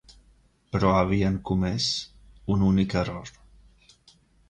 Però havien comès un únic error.